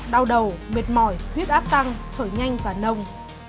đau đầu mệt mỏi huyết áp tăng thở nhanh và nồng